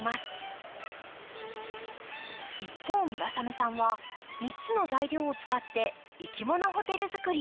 一方村雨さんは３つの材料を使っていきものホテル作り。